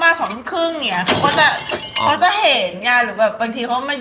มารับหน่อยแบบนี้อะ